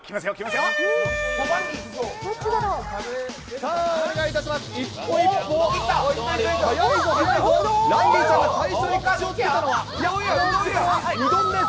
さあ、お願いいたします。